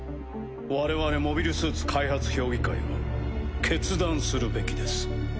我々モビルスーツ開発評議会は決断するべきです。